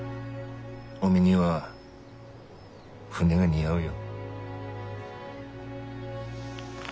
おめえには船が似合うよ。